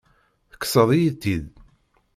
Tekkseḍ-iyi-tt-id.